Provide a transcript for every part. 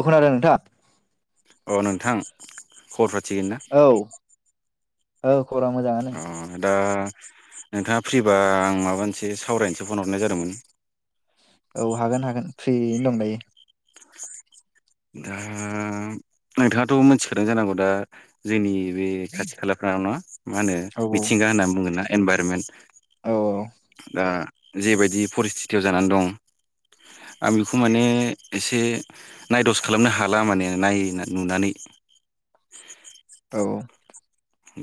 औ खोनादों नोंथां अ नोंथां खबरफ्रा थिगैना औ औ खबरा मोजाङानो अ दा नोंथाङा फ्रिबा आं माबा मोनसे सावरायनोसो फन हरनाय जादोंमोन। औ हागोन हागोन फ्रियैनो दं दायो। दा नोंथाङाथ' मोनथिखादों जानांगौ दा जोंनि बे खाथि खालाफ्रावना मा होनो औ मिथिंगा होनना बुंङोन ना? एनभाइरमेन्ट औ दा जेबायदि परिस्टितयाव जानानै दं आं बेखौ माने एसे नायदस खालामनो हाला माने नाय नुनानै। औ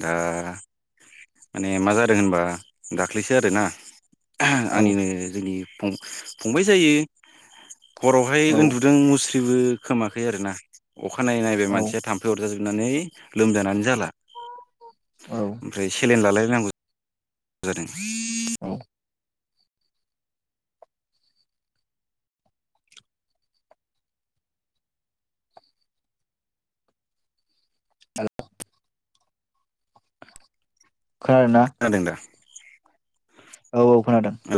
दा माने मा जादों होनबा दाख्लैसो आरोना औ आंनिनो जोंनि फं-फंबाय जायो। हरावहाय औ उन्दुदों मुस्र बेबो खोमाखै आरो ना। अखानायै नायबाय औ मसिया थाम्फै अरजा जो सनानै लोमजानानै जाला। औ ओमफ्राय सेलेन लालाय नांगौ [inaudible] जादों। औ [unintelligible] खोनादोंना खोनादों दा? [unintelligible] औ औ खोनादों। औ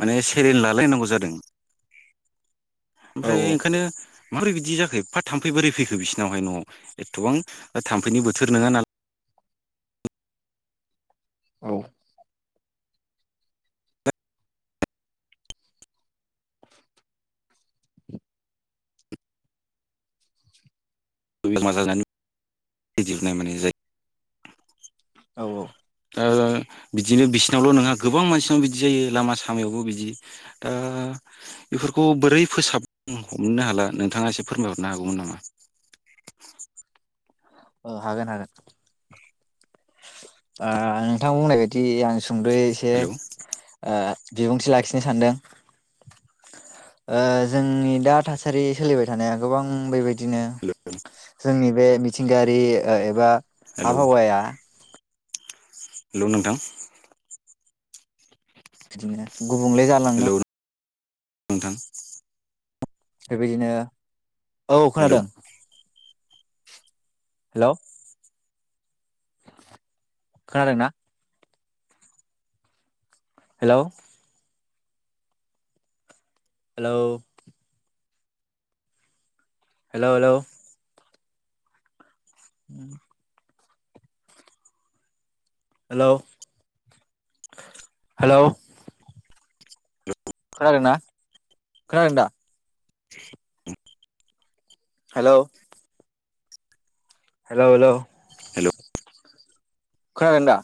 माने सेरेन लायनांगौ जादों औ ओमफ्राय ओंखानो माबोरै बिदि जाखो एफा थाम्फै बोरै फैखो बिसिनावहाय न'आव एथ'बां थाम्फैनि बोथोर नङा ना औ [unintelligible] औ औ ओ बिदिनो बिसिनावल' नङा गोबां मानसिनाव बिदि जायो लामा सामायावबो बिदि दा बेफोरखौ बोरै फोसाब हमनो हाला नोंथाङा एसे फोरमायहरनो हागौमोन नामा? औ हागोन हागोन। ओ नोंथां बुंनाय बायदि आं सुंद'यै एसे हेलौ ओ बिबुंथि लाखिनो सानदों ओ जोंनि दा थासारि सोलिबाय थानाया गोबां बेबाय बिदिनो हेलौ जोंनि बे मिथिंगायारि ओ एबा हेलौ आबहावाया हेलौ नोंथां बिदिनो गुबुंले हेलौ जालांनो नोंथां बेबायदिनो औ हेलौ खोनादों। हेलौ खोनादोंना? हेल' हेल' हेल' हेल' उम। हेल' हेल' [unintelligible] खोनादोंना खोनादों दा औ। हेल'। हेल' हेल'। हेलौ खोनादों दा।